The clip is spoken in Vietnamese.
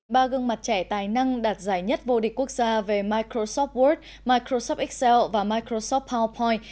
ba gương mặt trẻ tài năng đạt giải nhất vô địch quốc gia về microsoft word microsoft exxelles và microsoft owpoin